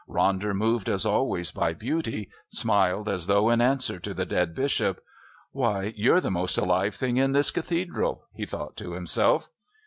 Ronder, moved as always by beauty, smiled as though in answer to the dead Bishop. "Why! you're the most alive thing in this Cathedral," he thought to himself.